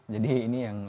jadi ini yang